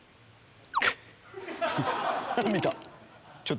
見た。